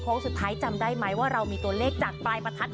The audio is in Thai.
สุดท้ายจำได้ไหมว่าเรามีตัวเลขจากปลายประทัด